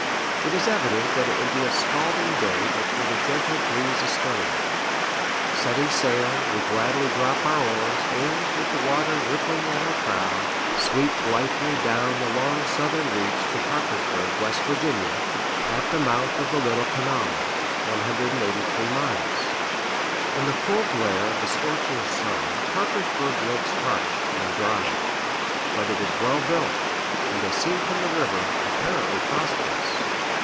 It is evident that it would be a scalding day but for the gentle breeze astern; setting sail, we gladly drop our oars, and, with the water rippling at our prow, sweep blithely down the long southern reach to Parkersburg, W. Va., at the mouth of the Little Kanawha (183 miles). In the full glare of the scorching sun, Parkersburg looks harsh and dry. But it is well built, and, as seen from the river, apparently prosperous.